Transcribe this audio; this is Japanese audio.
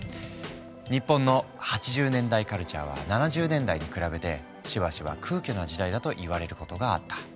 日本の８０年代カルチャーは７０年代に比べてしばしば空虚な時代だと言われることがあった。